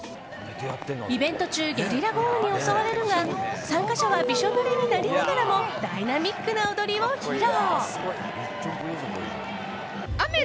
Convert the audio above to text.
イベント中ゲリラ豪雨に襲われるが参加者はびしょぬれになりながらもダイナミックな踊りを披露。